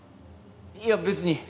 いや別に。